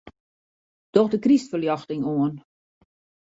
Doch de krystferljochting oan.